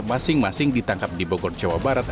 masing masing ditangkap di bogor jawa barat